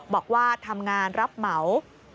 บอกว่าทำงานรับเหมา